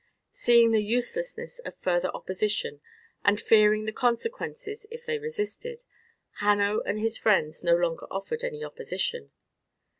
Seeing the uselessness of further opposition, and fearing the consequences if they resisted, Hanno and his friends no longer offered any opposition.